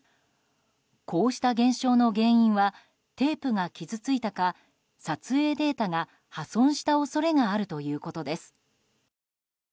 こうした現象の原因はテープが傷ついたか撮影データが破損した恐れがあるということです。